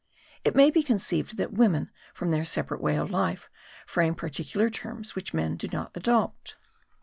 It may be conceived that women, from their separate way of life, frame particular terms which men do not adopt.